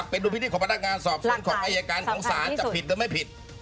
เป็นดุลพินิษฐของพนักงานสอบสวนของอายการของศาลจะผิดหรือไม่ผิด